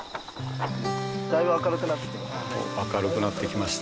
だいぶ明るくなってきましたね。